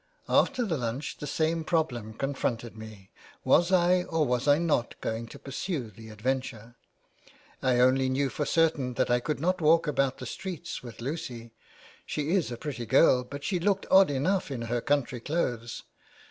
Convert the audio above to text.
After lunch the same problem confronted me : Was I or was I not going to pursue the adventure ? I only knew for certain that I could not walk about the streets with Lucy. She is a pretty girl, but she looked odd enough in her country clothes.